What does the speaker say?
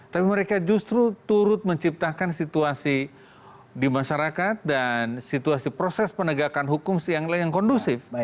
tapi mereka justru turut menciptakan situasi di masyarakat dan situasi proses penegakan hukum yang kondusif